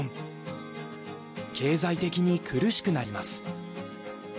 経済的に苦しくなります。